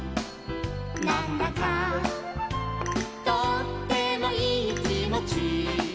「なんだかとってもいいきもち」